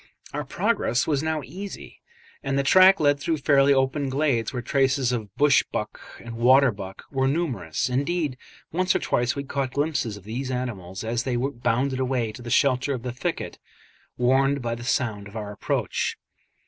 Our progress was now easy, and the track led through fairly open glades where traces of bush buck and water buck were numerous; indeed once or twice we caught glimpses of these animals as they bounded away to the shelter of the thicket, warned by the sound of our approach.